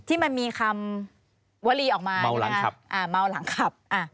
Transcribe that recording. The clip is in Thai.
ที่มันมีคำวลีออกมาเมาหลังขับ